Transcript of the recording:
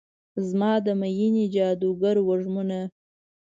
زما د میینې جادوګر وږمونه